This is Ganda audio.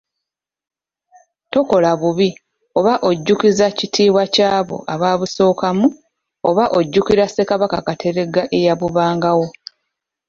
Tokola bubi, oba ojjukizza kitiibwa ky'abo ababusookamu, oba okujjukira Ssekabaka Kateregga eyabubangawo.